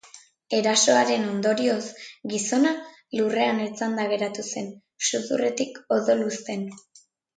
Erasoaren ondorioz, gizona lurrean etzanda geratu zen, sudurretik odoluzten.